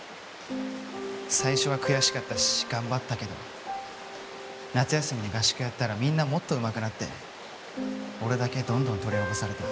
最初は悔しかったし頑張ったけど夏休みに合宿やったらみんなもっと上手くなって俺だけどんどん取り残された。